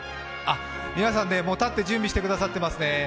皆さん、もう立って準備してくださってますね。